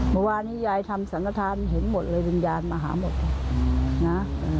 เมื่อวานี้ยายทำสรรคธรรมเห็นหมดเลยวิญญาณมาหาหมดเลยนะ